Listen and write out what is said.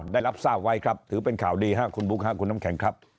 ได้รับทราบไว้ครับถือเป็นข่าวดีครับคุณบุ๊คคุณน้ำแข็งครับ